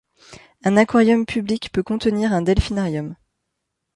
Un aquarium public peut contenir un delphinarium.